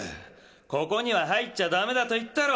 ここにははいっちゃダメだといったろ？